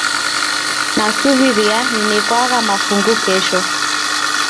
Nasuw'iria ninekwagha mafungu kesho.